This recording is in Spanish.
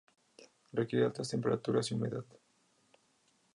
Requiere altas temperaturas y humedad.